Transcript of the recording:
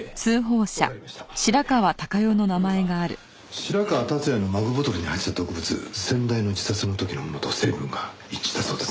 白河達也のマグボトルに入ってた毒物先代の自殺の時のものと成分が一致したそうです。